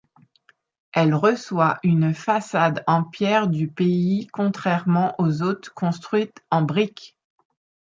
Elle reçoit une façade en pierre du pays contrairement aux autres construites en briques.